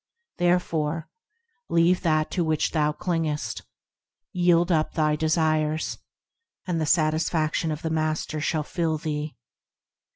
Therefore, leave that to which thou clingest. Yield up thy desires, And the satisfaction of the Master shall fil thee.